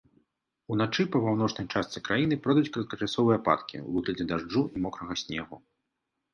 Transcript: Уначы па паўночнай частцы краіны пройдуць кароткачасовыя ападкі ў выглядзе дажджу і мокрага снегу.